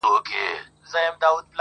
لکه ګُل د کابل حورو به څارلم؛